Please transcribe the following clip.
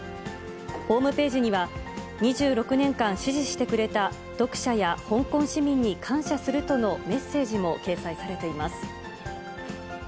ホームページには、２６年間支持してくれた読者や香港市民に感謝するとのメッセージも掲載されています。